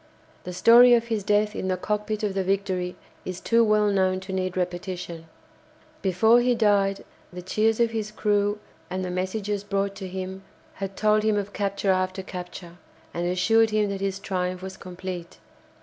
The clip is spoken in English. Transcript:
The story of his death in the cockpit of the "Victory" is too well known to need repetition. Before he died the cheers of his crew and the messages brought to him had told him of capture after capture, and assured him that his triumph was complete.